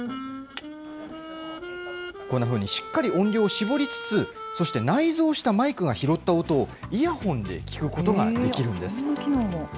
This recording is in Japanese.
こんなふうにしっかり音量を絞りつつ、そして内蔵したマイクが拾った音をイヤホンで聞くことができるんそんな機能も。